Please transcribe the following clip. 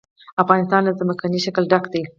افغانستان له ځمکنی شکل ډک دی.